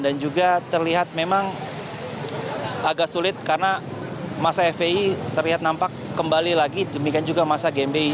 dan juga terlihat memang agak sulit karena masa fpi terlihat nampak kembali lagi demikian juga masa gmbi